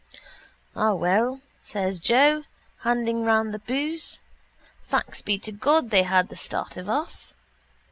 —Ah, well, says Joe, handing round the boose. Thanks be to God they had the start of us.